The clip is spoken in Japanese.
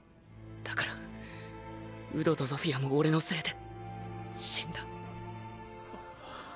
だからウドとゾフィアもオレのせいで死んだ。